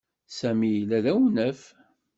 Sami yella d awnaf.